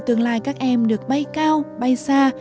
tương lai các em được bay cao bay xa